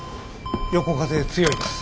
横風強いです。